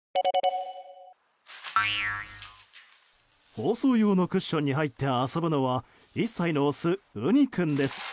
包装用のクッションに入って遊ぶのは１歳のオス、うに君です。